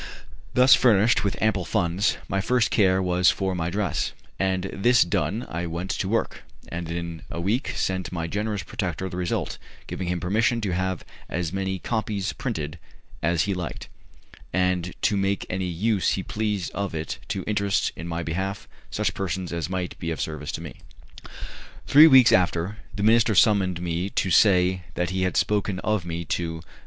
Thus furnished with ample funds, my first care was for my dress; and this done I went to work, and in a week sent my generous protector the result, giving him permission to have as many copies printed as he liked, and to make any use he pleased of it to interest in my behalf such persons as might be of service to me. Three weeks after, the minister summoned me to say that he had spoken of me to M.